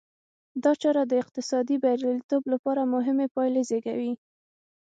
دا چاره د اقتصادي بریالیتوب لپاره مهمې پایلې زېږوي.